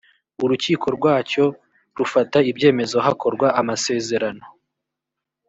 urukiko rwacyo rufata ibyemezo hakorwa amasezerano